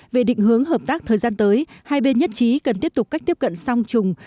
về định hướng hợp tác thời gian tới hai bên nhất trí cần tiếp tục cách tiếp cận song trùng